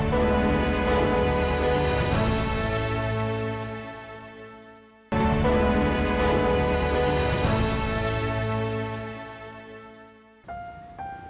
kami mau apa jalan